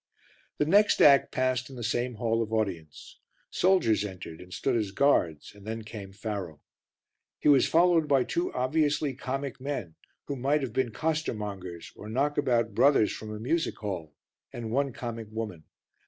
The next act passed in the same hall of audience; soldiers entered and stood as guards, and then came Pharaoh. He was followed by two obviously comic men, who might have been costermongers or knockabout brothers from a music hall, and one comic woman.